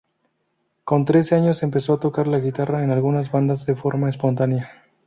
Con trece años empezó a tocar la guitarra en algunas bandas de forma espontánea.